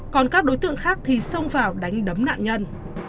còn các đối tượng khác thì xông vào đánh đấm nạn nhân